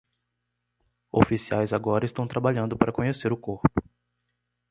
Oficiais agora estão trabalhando para conhecer o corpo.